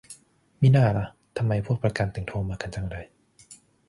มิน่าล่ะ ทำไมพวกประกัน ถึงโทรมากันจังเลย